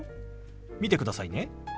見てくださいね。